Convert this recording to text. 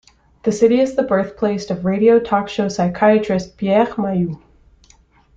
The city is the birthplace of radio talk show psychiatrist Pierre Mailloux.